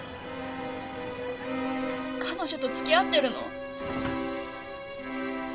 彼女と付き合ってるの？